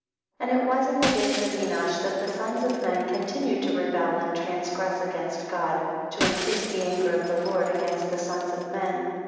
3. And it was in the days of Enosh that the sons of men continued to rebel and transgress against God, to increase the anger of the Lord against the sons of men.